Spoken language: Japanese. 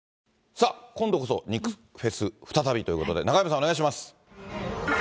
さあ、今度こそ肉フェス再びということで、中山さん、お願いします。